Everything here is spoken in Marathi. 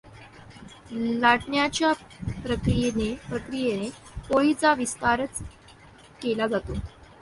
लाटण्याच्या प्रक्रियेने पोळीचा विस्तारच केला जातो.